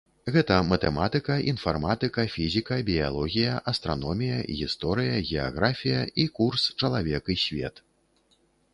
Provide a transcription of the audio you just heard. Гэта матэматыка, інфарматыка, фізіка, біялогія, астраномія, гісторыя, геаграфія і курс чалавек і свет.